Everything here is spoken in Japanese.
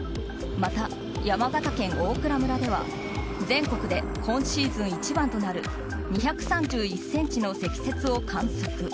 また、山形県大蔵村では全国で今シーズン一番となる２３１ｃｍの積雪を観測。